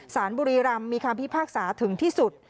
สารบุรีรำมีคำพิพากษาถึงที่สุด